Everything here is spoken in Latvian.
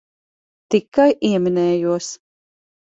Tikai ieminējos.